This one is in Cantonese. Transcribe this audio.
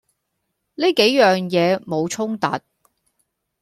呢幾樣嘢冇衝突